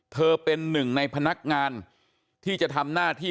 เป็นหนึ่งในพนักงานที่จะทำหน้าที่